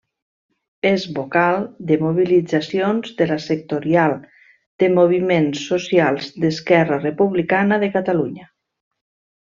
És vocal de mobilitzacions de la sectorial de moviments socials d'Esquerra Republicana de Catalunya.